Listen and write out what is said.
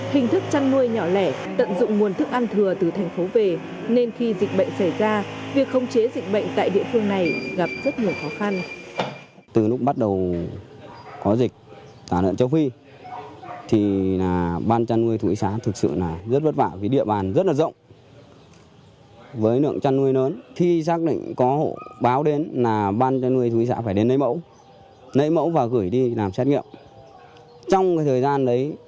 hình thức chăn nuôi nhỏ lẻ tận dụng nguồn thức ăn thừa từ thành phố về nên khi dịch bệnh xảy ra việc không chế dịch bệnh tại địa phương này gặp rất nhiều khó khăn